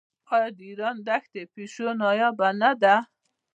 آیا د ایران دښتي پیشو نایابه نه ده؟